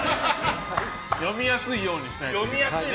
読みやすいようにしたいね。